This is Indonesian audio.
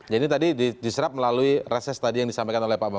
jadi tadi diserap melalui reses tadi yang disampaikan oleh pak bambang